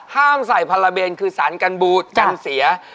ห้ามใส่พาราเบนคือสารกันบูจันเสีย